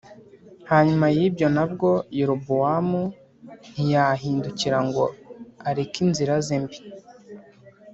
Hanyuma y’ibyo na bwo Yerobowamu ntiyahindukira ngo areke inzira ze mbi